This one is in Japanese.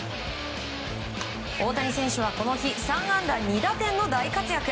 大谷選手はこの日３安打２打点の大活躍。